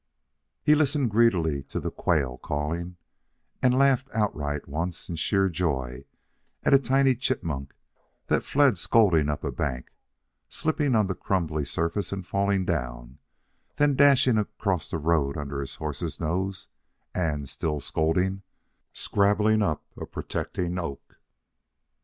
He listened greedily to the quail calling, and laughed outright, once, in sheer joy, at a tiny chipmunk that fled scolding up a bank, slipping on the crumbly surface and falling down, then dashing across the road under his horse's nose and, still scolding, scrabbling up a protecting oak.